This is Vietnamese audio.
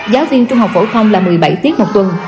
giáo viên trung học phổ thông là một mươi bảy tiết một tuần